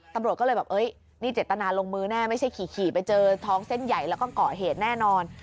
ตำรวจก็เลยแบบนี่เจตนาลงมือแน่ไม่ใช่ขี่ไปเจอท้องเส้นใหญ่แล้วก็เกาะเหตุแน่นอน